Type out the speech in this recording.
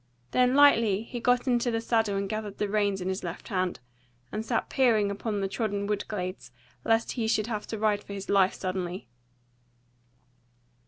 Then lightly he got into the saddle and gathered the reins into his left hand, and sat peering up the trodden wood glades, lest he should have to ride for his life suddenly.